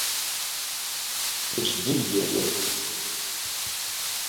esbulho